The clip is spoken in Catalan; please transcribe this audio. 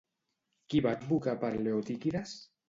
Qui va advocar per Leotíquides?